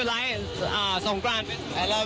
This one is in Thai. ที่สนชนะสงครามเปิดเพิ่ม